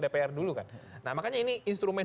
dpr dulu kan nah makanya ini instrumen